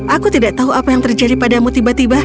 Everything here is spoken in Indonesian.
aku tidak tahu apa yang terjadi padamu tiba tiba